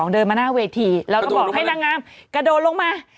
เดินมาหน้าเวทีแล้วก็บอกให้นางงามกระโดดลงมา